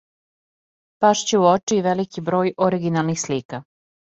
пашће у очи и велики број оригиналних слика